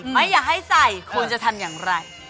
ไม่อยากให้ใส่ควรจะทำอย่างไร